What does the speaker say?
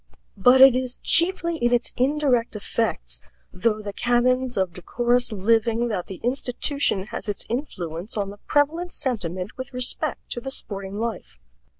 But it is chiefly in its indirect effects, though the canons of decorous living, that the institution has its influence on the prevalent sentiment with respect to the sporting life.